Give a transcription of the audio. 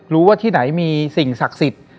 ว่าที่ไหนมีสิ่งศักดิ์สิทธิ์